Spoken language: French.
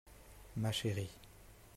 Ma chérie.